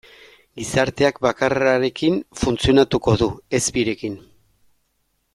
Gizarteak bakarrarekin funtzionatuko du, ez birekin.